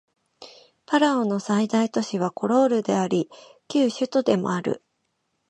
パラオの最大都市はコロールであり旧首都でもある